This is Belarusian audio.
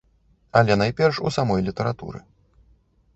Але найперш у самой літаратуры.